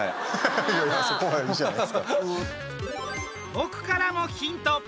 僕からもヒント！